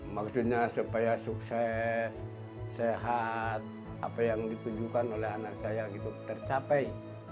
maksudnya supaya sukses sehat apa yang ditunjukkan oleh anak saya gitu tercapai